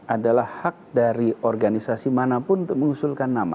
adalah hak dari organisasi manapun untuk mengusulkan nama